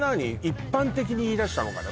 一般的に言い出したのかな